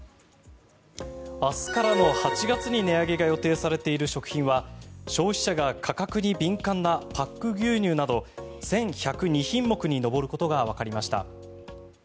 明日からの８月に値上げが予定されている食品は消費者が価格に敏感なパック牛乳など１１０２品目に上ることがわかりました。